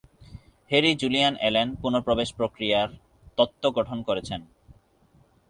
Harry Julian Allen পুন:প্রবেশ প্রক্রিয়ার তত্ত্ব গঠন করেছেন।